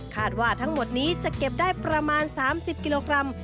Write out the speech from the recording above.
ว่าทั้งหมดนี้จะเก็บได้ประมาณ๓๐กิโลกรัม